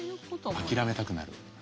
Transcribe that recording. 諦めたくなる。